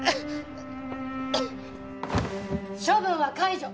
処分は解除！